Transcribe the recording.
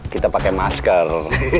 kita pakai masker